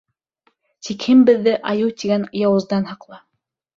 Тик һин беҙҙе Айыу тигән яуыздан һаҡла.